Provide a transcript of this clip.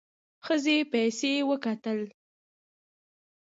ښځې پسې وکتل.